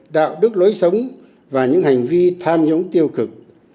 đạo đức lối sống và những hành vi tham nhũng tiêu cực